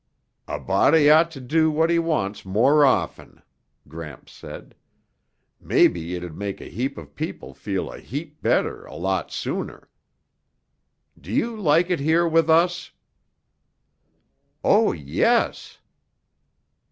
"A body ought to do what he wants more often," Gramps said. "Maybe it'd make a heap of people feel a heap better a lot sooner. Do you like it here with us?" "Oh, yes!"